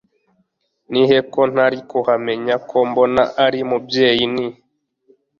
nihe ko ntari kuhamenya ko mbona ari mubyeyi ni